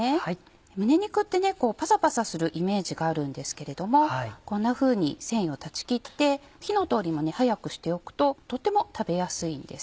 胸肉ってパサパサするイメージがあるんですけれどもこんなふうに繊維を断ち切って火の通りも早くしておくととても食べやすいです。